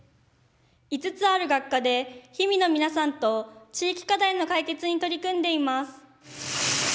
５つある学科で氷見の皆さんと地域課題の解決に取り組んでいます。